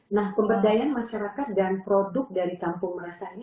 nah pemberdayaan masyarakat dan produk dari kampung merasa ini